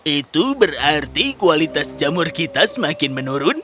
itu berarti kualitas jamur kita semakin menurun